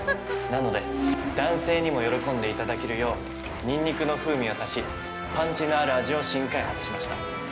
なので、男性にも喜んでいただけるようにんにくの風味を足しパンチのある味を新開発しました。